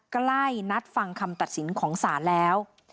ใกล้นัดฟังคำตัดสินของศาลแล้ว